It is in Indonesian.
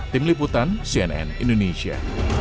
tim liputan cnn indonesia